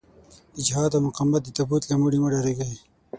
د جهاد او مقاومت د تابوت له مړي مه ډارېږئ.